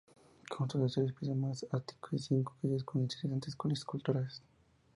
Consta de tres pisos más ático y cinco calles con interesantes esculturas.